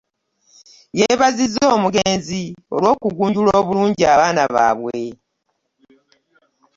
Yeebazizza omugenzi olw'okugunjula obulungi abaana baabwe